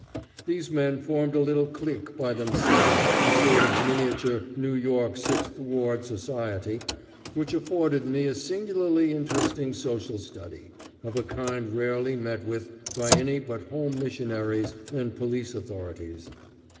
These men formed a little clique by themselves, a sort of miniature New York sixth ward society, which afforded me a singularly interesting social study, of a kind rarely met with by any but home missionaries and police authorities.